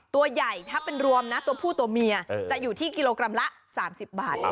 ตัวใหญ่ถ้าเป็นรวมนะตัวผู้ตัวเมียจะอยู่ที่กิโลกรัมละ๓๐บาท